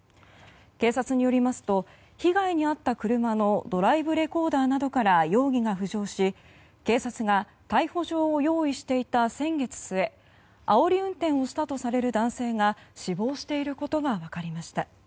警察によりますと被害に遭った車のドライブレコーダーなどから容疑が浮上し警察が逮捕状を用意していた先月末あおり運転をしたとされる男性が死亡していることが分かりました。